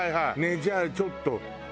じゃあちょっと。